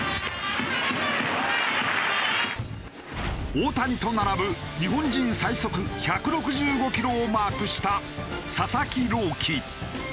大谷と並ぶ日本人最速１６５キロをマークした佐々木朗希。